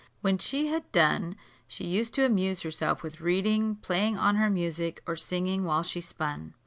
When she had done, she used to amuse herself with reading, playing on her music, or singing while she spun.